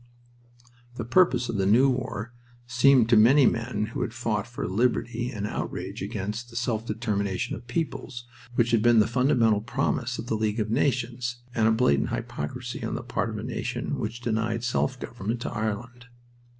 The purpose of the new war seemed to many men who had fought for "liberty" an outrage against the "self determination of peoples" which had been the fundamental promise of the League of Nations, and a blatant hypocrisy on the part of a nation which denied self government to Ireland.